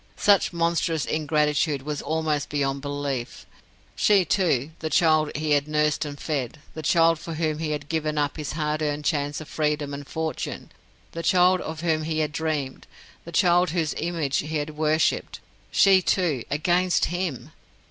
Such monstrous ingratitude was almost beyond belief. She, too, the child he had nursed and fed, the child for whom he had given up his hard earned chance of freedom and fortune, the child of whom he had dreamed, the child whose image he had worshipped she, too, against him!